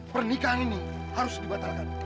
pernikahan ini harus dibatalkan